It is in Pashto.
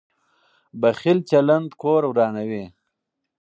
بخیل چلند کور ورانوي.